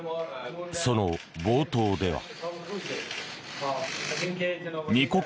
その冒頭では。